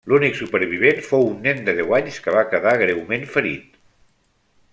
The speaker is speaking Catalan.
L'únic supervivent fou un nen de deu anys, que va quedar greument ferit.